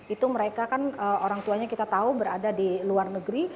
itu mereka kan orang tuanya kita tahu berada di luar negeri